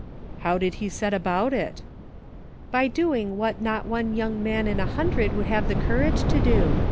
" How did he set about it }"" By doing what not one young man in a hundred would have the courage to do.